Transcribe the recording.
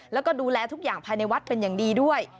แล้วก็ดูแลทุกอย่างภายในวัดเป็นอย่างดีด้วย